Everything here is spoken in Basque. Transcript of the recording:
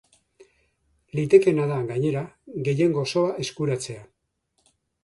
Litekeena da, gainera, gehiengo osoa eskuratzea.